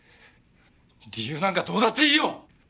理由なんかどうだっていいよ！